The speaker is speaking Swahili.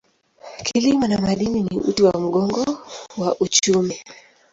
Kilimo na madini ni uti wa mgongo wa uchumi.